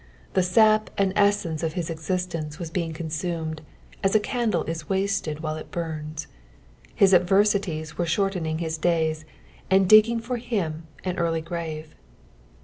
The sap and essence of his existence was being consumed, as a candle is wasted while it burns. His adversities were shortening liis days, and digging for him an early grave.